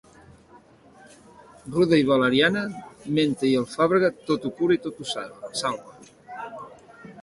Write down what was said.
Ruda i valeriana, menta i alfàbrega, tot ho cura i tot ho salva.